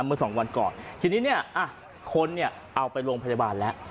เมื่อสองวันก่อนทีนี้เนี่ยคนเนี่ยเอาไปโรงพยาบาลแล้ว